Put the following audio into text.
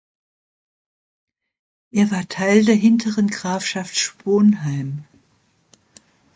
Er war Teil der Hinteren Grafschaft Sponheim.